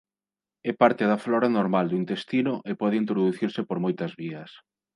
É parte da flora normal do intestino e pode introducirse por moitas vías.